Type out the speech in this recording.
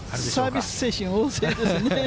サービス精神旺盛ですね。